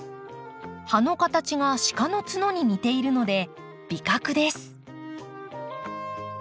葉の形が鹿の角に似ているので「麋角」です。